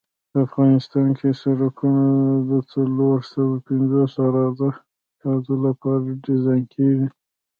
په افغانستان کې سرکونه د څلور سوه پنځوس عراده جاتو لپاره ډیزاین کیږي